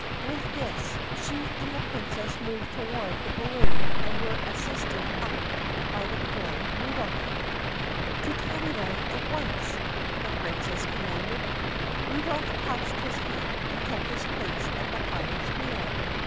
With this she and the Princess moved toward the balloon and were assisted up by the polite Rudolph. "To Tabbyland at once!" the Princess commanded. Ru dolph touched his hat and took his place at the pilot's wheel.